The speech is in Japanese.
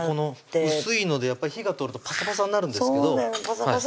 薄いのでやっぱり火が通るとパサパサになるんですけどそうなのパサパサ